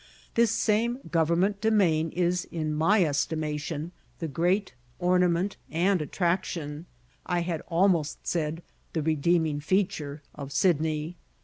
This same Government Domain is in my estimation the great ornament and attraction, I had almost said the redeeming feature, of Sydney.